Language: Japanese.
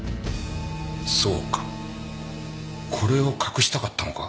そうかこれを隠したかったのか。